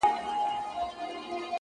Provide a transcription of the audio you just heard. د زړه ملا مي راته وايي دغه؛